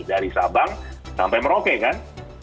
dari sabang sampai merauke kan